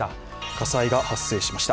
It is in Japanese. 火災が発生しました。